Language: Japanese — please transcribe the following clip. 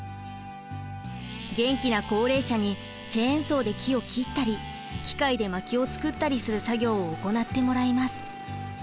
元気な高齢者にチェーンソーで木を切ったり機械でまきを作ったりする作業を行ってもらいます。